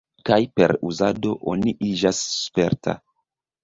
Kaj per uzado, oni iĝas sperta.